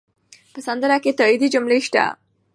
په سندره کې تاکېدي جملې شته.